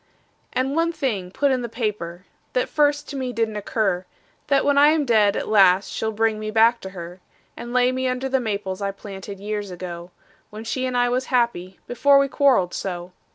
And one thing put in the paper, that first to me didn't occur: That when I am dead at last she'll bring me back to her; And lay me under the maples I planted years ago, When she and I was happy before we quarreled so.